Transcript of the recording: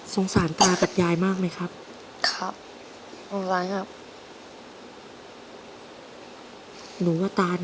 ทำความสะอาดบ้าน